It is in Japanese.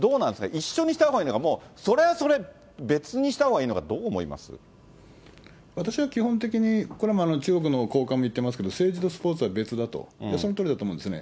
一緒にしたほうがいいのか、もうそれはそれ、別にしたほうがいい私は基本的に、これは中国の高官も言ってますけど、政治とスポーツは別だと、そのとおりだと思いますね。